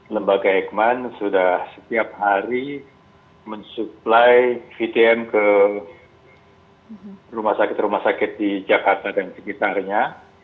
lembaga eijkman sudah setiap hari mensuplai vtm ke rumah sakit rumah sakit di jakarta dan sekitarnya